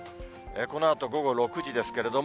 このあと午後６時ですけれども、